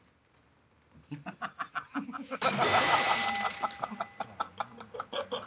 ハハハハハ。